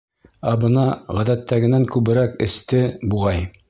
Ә бына ғәҙәттәгенән күберәк эсте, буғай.